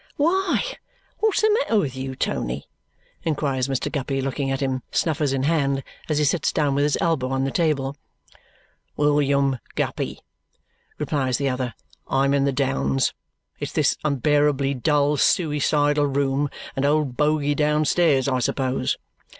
"Why, what's the matter with you, Tony?" inquires Mr. Guppy, looking at him, snuffers in hand, as he sits down with his elbow on the table. "William Guppy," replies the other, "I am in the downs. It's this unbearably dull, suicidal room and old Boguey downstairs, I suppose." Mr.